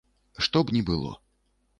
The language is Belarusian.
Што б ні было.